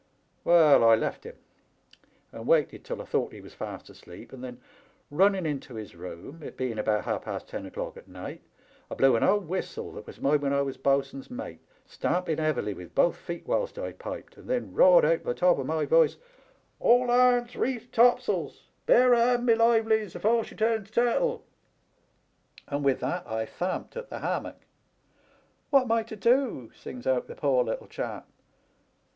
Well, I left him, and waited till I thought he was fast asleep, and then, running into his room, it being about half past ten o'clock at night, I blew an old whistle that was mine when I was bo'sun's mate, stamping heavily with both feet whilst I piped, and then roared out at the top of my woice, * All hands reef topsails ! bear a hand, my livelies, afore she turns turtle !' and with that I thumped at the hammock. "* What am I to do ?' sings out the poor little chap.